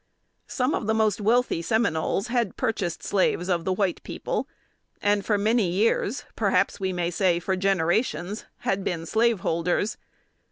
Some of the most wealthy Seminoles had purchased slaves of the white people, and for many years, perhaps we may say for generations, had been slaveholders.